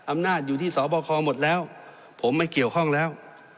อำนาจอยู่ที่สบคหมดแล้วผมไม่เกี่ยวข้องแล้ว